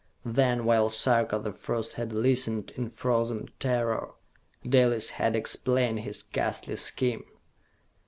Then, while Sarka the First had listened in frozen terror, Dalis had explained his ghastly scheme.